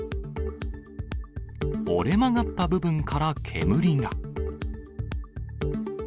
折れ曲がった部分から煙が。